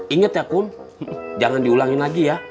ingat ya kum jangan diulangin lagi ya